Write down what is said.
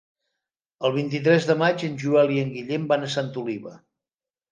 El vint-i-tres de maig en Joel i en Guillem van a Santa Oliva.